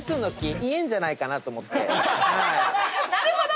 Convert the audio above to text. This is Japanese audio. なるほど！